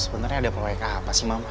sebenernya ada pekerjaan apa sih mama